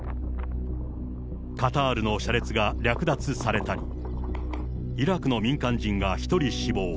カタールの車列が略奪されたり、イラクの民間人が１人死亡。